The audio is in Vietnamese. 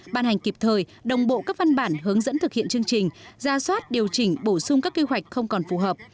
ban hành kịp thời đồng bộ các văn bản hướng dẫn thực hiện chương trình ra soát điều chỉnh bổ sung các kế hoạch không còn phù hợp